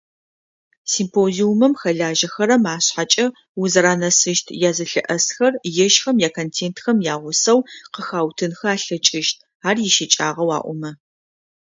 Симпозиумым хэлажьэхэрэм ашъхьэкӏэ узэранэсыщт язэлъыӏэсхэр ежьхэм яконтентхэм ягъусэу къыхаутынхэ алъэкӏыщт, ар ищыкӏагъэу аӏомэ.